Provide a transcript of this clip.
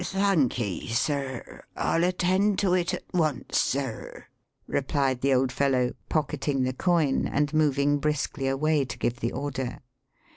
"Thanky, sir. I'll attend to it at once, sir," replied the old fellow, pocketing the coin, and moving briskly away to give the order.